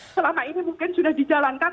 selama ini mungkin sudah dijalankan